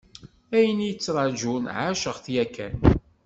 Ayen i y-ittrajun, ɛaceɣ-t yakan.